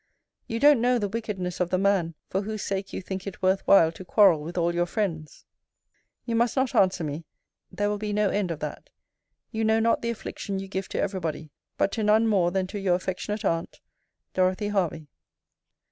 You don't know the wickedness of the man for whose sake you think it worth while to quarrel with all your friends. You must not answer me. There will be no end of that. You know not the affliction you give to every body; but to none more than to Your affectionate aunt, DOROTHY HERVEY.